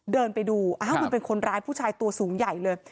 เดินไปดูอ้าวมันเป็นคนร้ายผู้ชายตัวสูงใหญ่เลย